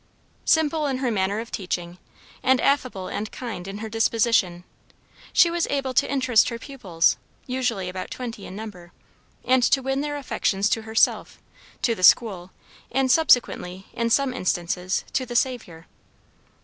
Simple in her manner of teaching, and affable and kind in her disposition, she was able to interest her pupils usually about twenty in number and to win their affections to herself, to the school, and subsequently, in some instances, to the Saviour.